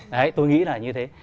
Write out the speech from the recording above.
đấy tôi nghĩ là như thế